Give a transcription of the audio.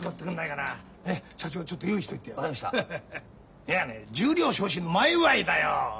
いやね十両昇進の前祝いだよ。